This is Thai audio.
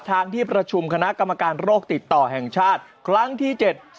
ที่ประชุมคณะกรรมการโรคติดต่อแห่งชาติครั้งที่เจ็ด